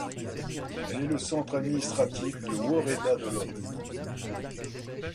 Elle est le centre administratif du woreda de Lome.